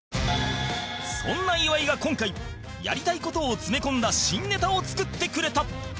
そんな岩井が今回やりたい事を詰め込んだ新ネタを作ってくれた